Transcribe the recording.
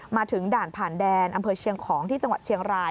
มาถึงด่านผ่านแดนอำเภอเชียงของที่จังหวัดเชียงราย